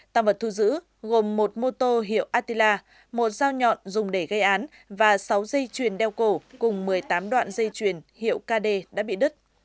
tăng vật thu giữ gồm một mô tô hiệu atila một dao nhọn dùng để gây án và sáu dây chuyền đeo cổ cùng một mươi tám đoạn dây chuyền hiệu kd đã bị đứt